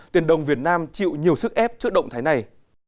tiền đồng việt nam chịu nhiều sức ép trước động thái này